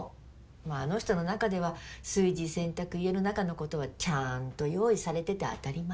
あの人の中では炊事洗濯家の中のことはちゃんと用意されてて当たり前。